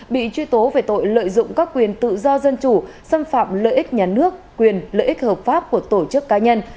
bị truy tố về tội lợi dụng các quyền tự do dân chủ xâm phạm lợi ích nhà nước quyền lợi ích hợp pháp của tổ chức cá nhân